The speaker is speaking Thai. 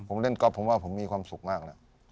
ผมเล่นกอล์ฟผมว่าผมมีความสุขมาก